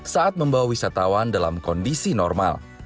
saat membawa wisatawan dalam kondisi normal